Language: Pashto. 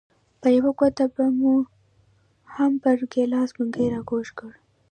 په یوه ګوته به مو هم پر ګیلاس منګی راکوږ کړ.